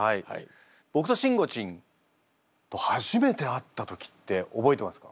僕としんごちんと初めて会った時って覚えてますか？